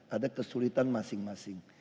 ada kesulitan masing masing